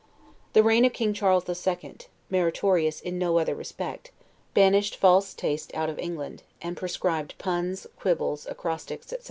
The reign of King Charles II. (meritorious in no other respect) banished false taste out of England, and proscribed puns, quibbles, acrostics, etc.